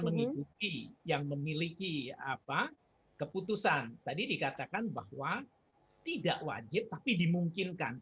mengikuti yang memiliki apa keputusan tadi dikatakan bahwa tidak wajib tapi dimungkinkan